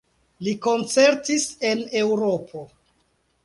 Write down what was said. Li koncertis en Eŭropo.